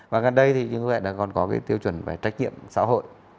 và gần đây thì như vậy là còn có cái tiêu chuẩn về trách nhiệm xã hội